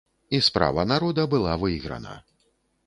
І справа народа была выйграна.